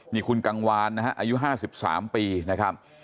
มีคุณกังวานนะฮะอายุห้าสิบสามปีนะครับ